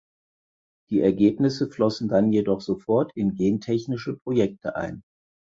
Die Ergebnisse flossen dann jedoch sofort in gentechnische Projekte ein.